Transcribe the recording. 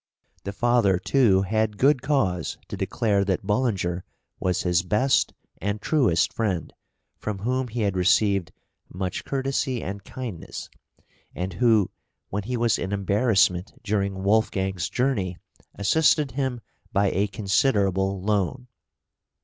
The father, too, had good cause to declare that Bullinger was his best and truest friend, from whom he had received "much courtesy and kindness," and who, when he was in embarrassment during Wolfgang's journey, assisted him by a considerable loan.